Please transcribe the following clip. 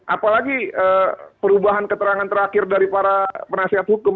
apalagi perubahan keterangan terakhir dari para penasihat hukum